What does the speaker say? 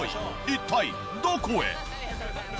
一体どこへ？